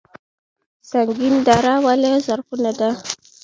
سنګین دره ولې زرغونه ده؟